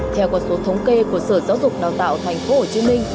theo con số thống kê của sở giáo dục đào tạo tp hcm